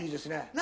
何？